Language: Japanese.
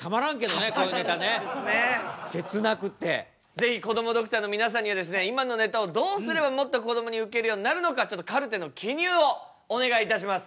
是非こどもドクターの皆さんには今のネタをどうすればもっとこどもにウケるようになるのかカルテの記入をお願いいたします。